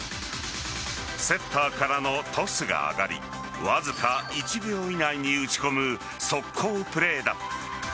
セッターからのトスが上がりわずか１秒以内に打ち込む速攻プレーだ。